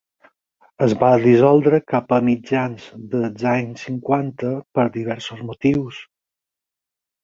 Es va dissoldre cap a mitjans dels anys cinquanta per diversos motius.